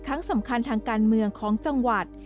ครั้งสำคัญทางการเมืองของจังหวัด